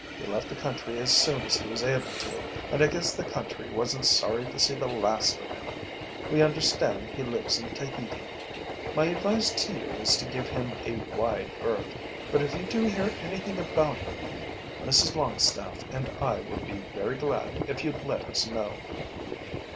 He left the country as soon as he was able to, and I guess the country wasn't sorry to see the last of him. We understand he lives in Tahiti. My advice to you is to give him a wide berth, but if you do hear anything about him Mrs Longstaffe and I would be very glad if you'd let us know."